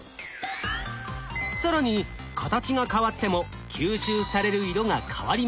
更に形が変わっても吸収される色が変わります。